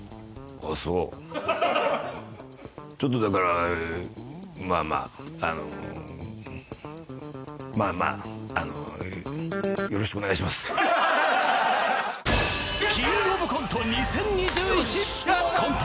ああそうちょっとだからまあまああの「キングオブコント２０２１」コント